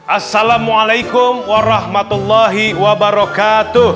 assalamualaikum warahmatullahi wabarakatuh